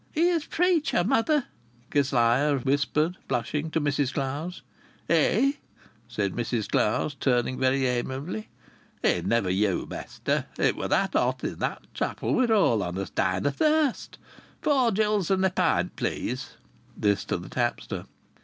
"Here's preacher, mother!" Kezia whispered, blushing, to Mrs Clowes. "Eh," said Mrs Clowes, turning very amiably. "It's never you, mester! It was that hot in that chapel we're all on us dying of thirst.... Four gills and a pint, please!" (This to the tapster.)